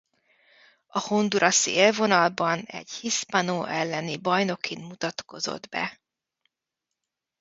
A hondurasi élvonalban egy Hispano elleni bajnokin mutatkozott be.